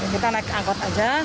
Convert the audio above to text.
kita naik angkot aja